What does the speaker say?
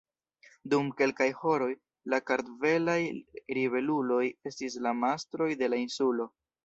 Dum kelkaj horoj, la kartvelaj ribeluloj estis la mastroj de la insulo.